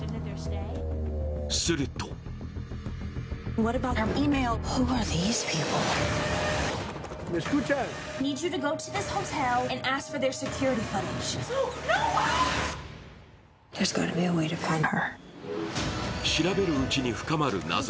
すると調べるうちに深まる謎。